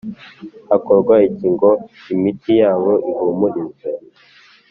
Hakorwa iki ngo imitima yabo ihumurizwe?